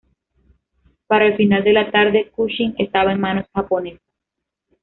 Para el final de la tarde, Kuching estaba en manos japonesas.